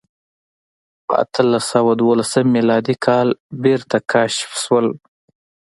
په اتلس سوه دولسم میلادي کال بېرته کشف شول.